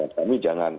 memang kami jangan